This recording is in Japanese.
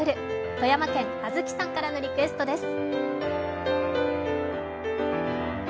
富山県あずきさんからのリクエストです。